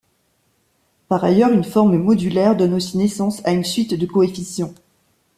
Par ailleurs, une forme modulaire donne aussi naissance à une suite de coefficients.